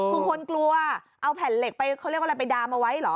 คือคนกลัวเอาแผ่นเหล็กไปเขาเรียกว่าอะไรไปดามเอาไว้เหรอ